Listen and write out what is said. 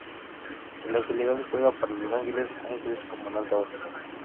En la actualidad juega para Los Angeles Angels como lanzador.